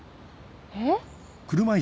えっ？